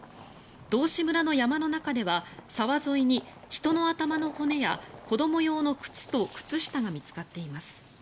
道志村の山の中では沢沿いに人の頭の骨や子ども用の靴と靴下が見つかっています。